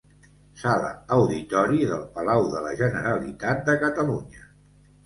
Sala Auditori del Palau de la Generalitat de Catalunya.